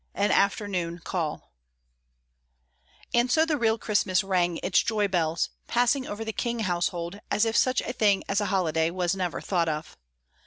XI AN AFTERNOON CALL And so the real Christmas rang its joy bells, passing over the King household as if such a thing as a holiday was never thought of.